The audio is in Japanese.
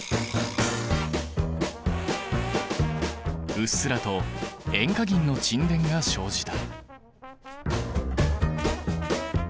うっすらと塩化銀の沈殿が生じた。